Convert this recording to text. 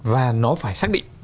và nó phải xác định